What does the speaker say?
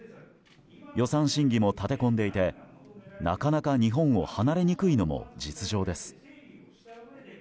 予算審議も立て込んでいてなかなか日本を離れにくいのも実情です。